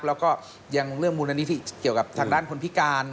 แล้วก็ยังเรื่องมูลนิธิเกี่ยวกับทางด้านคนพิการ